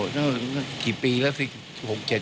นั่นก็สักกี่ปีแล้วสิ